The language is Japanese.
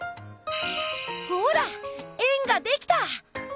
ほら円ができた！